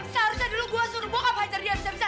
seharusnya dulu gua suruh bokap hajar dia bisa bisa